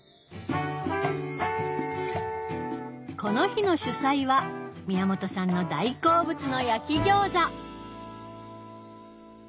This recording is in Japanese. この日の主菜は宮本さんの大好物の焼き餃子。